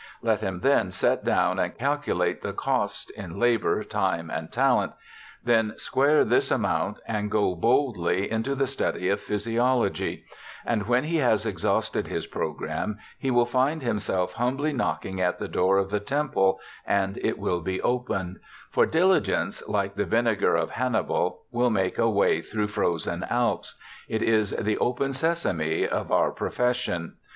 Let him then set down and calculate the cost, in labour, time, and talent ; then square this amount and go boldly into the study of physiology ; and when he has exhausted his programme, he will find himself humbly knocking at the door of the temple, and it will be opened ; for diligence, like the vinegar of Hannibal, will make a way through frozen Alps ; it is the open sesame of our pro fession.